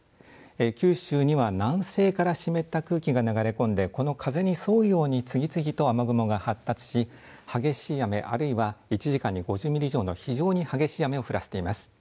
九州には南西から湿った空気が流れ込んでこの風に沿うように次々と雨雲が発達し激しい雨、あるいは１時間に５０ミリ以上の非常に激しい雨を降らせています。